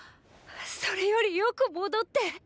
それよりよく戻って！